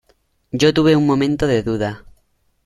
yo tuve un momento de duda: